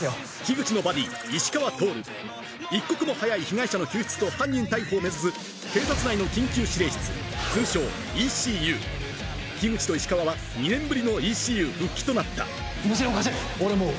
口のバディ石川透一刻も早い被害者の救出と犯人逮捕を目指す警察内の口と石川は２年ぶりのＥＣＵ復帰となった無線を貸せ俺も追う。